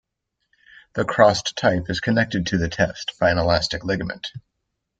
The crossed type is connected to the test by an elastic ligament.